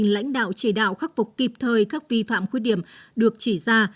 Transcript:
lãnh đạo chỉ đạo khắc phục kịp thời các vi phạm khuyết điểm được chỉ ra